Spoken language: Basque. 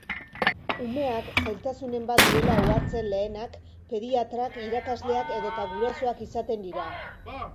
Umeak zailtasunen bat duela ohartzen lehenak pediatrak, irakasleak edota gurasoak izaten dira.